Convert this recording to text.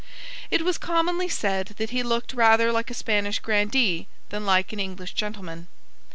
It was commonly said that he looked rather like a Spanish grandee than like an English gentleman.